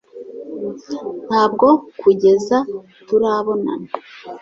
ntabwo kugeza turabonana